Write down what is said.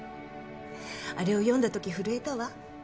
あれを読んだとき震えたわ。